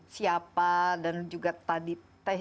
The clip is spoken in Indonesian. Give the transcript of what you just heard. siapa dan juga tadi